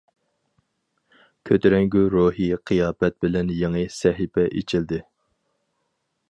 كۆتۈرەڭگۈ روھىي قىياپەت بىلەن يېڭى سەھىپە ئېچىلدى.